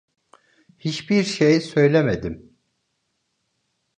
Hiçbir şey söylemedim.